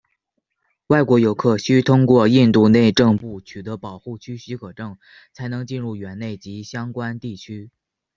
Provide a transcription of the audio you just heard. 外国游客需通过印度内政部取得保护区许可证才能进入园区内及相关地区。